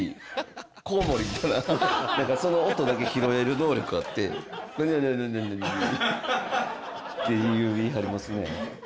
コウモリみたいなその音だけ拾える能力があって「何何何何何何？」って言いはりますね。